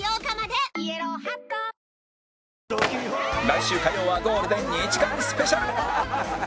来週火曜はゴールデン２時間スペシャル